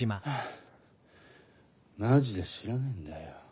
マジで知らねえんだよ。